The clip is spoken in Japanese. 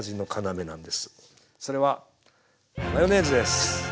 それはマヨネーズです！